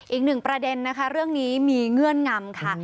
อีกหนึ่งประเด็นนะคะเรื่องนี้มีเงื่อนงำค่ะ